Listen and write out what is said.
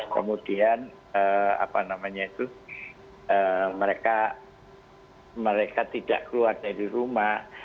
kemudian mereka tidak keluar dari rumah